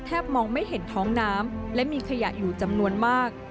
มองไม่เห็นท้องน้ำและมีขยะอยู่จำนวนมาก